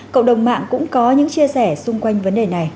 cộng đồng mạng cũng có những chia sẻ xung quanh vấn đề này